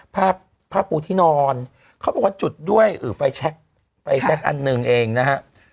ผ้าผ้าปูที่นอนเขาบอกว่าจุดด้วยไฟแช็คไฟแช็คอันหนึ่งเองนะฮะ